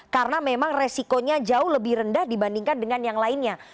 karena memang resikonya jauh lebih rendah dibandingkan dengan yang lainnya